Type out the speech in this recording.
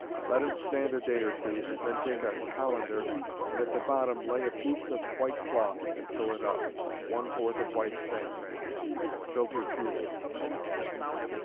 Let it stand a day or two, then take a cullender and at the bottom lay a piece of white cloth, and fill it up, one fourth of white sand, and filter through it.